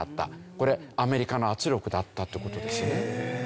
これアメリカの圧力だったっていう事ですよね。